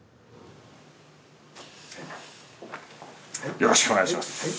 よろしくお願いします。